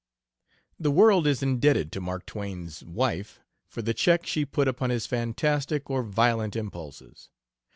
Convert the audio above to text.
The world is indebted to Mark Twain's wife for the check she put upon his fantastic or violent impulses.